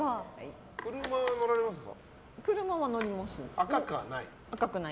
車は乗られますか？